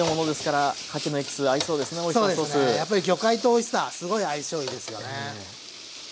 やっぱり魚介とオイスターすごい相性いいですよね。